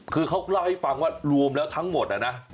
คือเขาเล่าให้ฟังว่ารวมแล้วทั้งหมดนะ